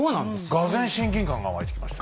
がぜん親近感が湧いてきました。